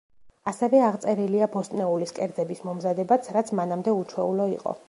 ასევე აღწერილია ბოსტნეულის კერძების მომზადებაც, რაც მანამდე უჩვეულო იყო.